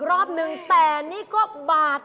ปลอกกันเป็น๑บาท